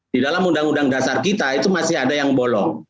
di dalam undang undang dasar kita itu masih ada yang bolong